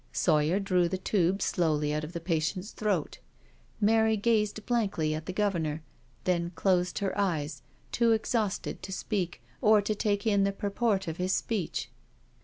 Sawyer drew the tube slowly out of the patient's throat. Mary gazed blankly at the Governor, then closed her eyes, too exhausted to speak or to take in the purport of his speech.